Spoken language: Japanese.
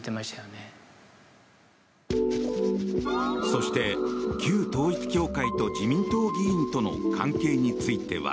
そして旧統一教会と自民党議員との関係については。